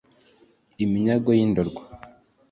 Iminyago y'i Ndorwa